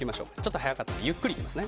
早かったのでゆっくりいきますね。